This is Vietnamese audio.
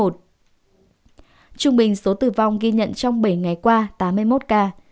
trung bình số tử vong ghi nhận trong bảy ngày qua tám mươi một ca